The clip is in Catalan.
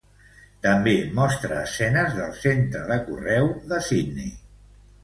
També mostra escenes del centre de correu de Sydney.